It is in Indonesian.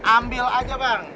ambil aja bang